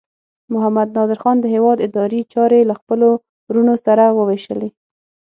محمد نادر خان د هیواد اداري چارې له خپلو وروڼو سره وویشلې.